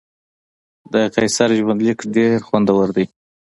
د قیصر ژوندلیک ډېر خوندور دی.